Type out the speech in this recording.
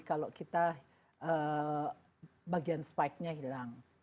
kalau kita bagian spike nya hilang